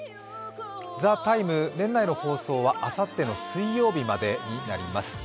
「ＴＨＥＴＩＭＥ，」、年内の放送はあさっての水曜日までになります。